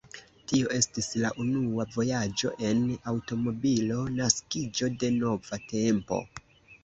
Tio estis la unua vojaĝo en aŭtomobilo, naskiĝo de nova tempo.